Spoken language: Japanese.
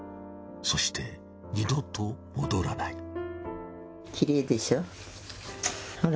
そして二度と戻らない。